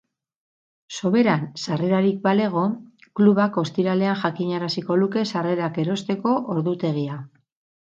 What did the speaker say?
Soberan sarrerarik balego, klubak ostiralean jakinaraziko luke sarrerak erosteko ordutegia.